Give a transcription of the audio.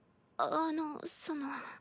あのその。